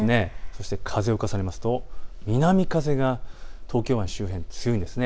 そして風を重ねますと南風が東京湾周辺で強いんです。